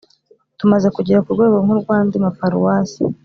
tumaze kugera ku rwego nk’urw’andi ma paruwasi